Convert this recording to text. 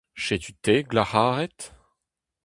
Setu-te glac'haret ?